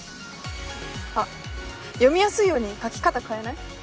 あっ読みやすいように書き方変えない？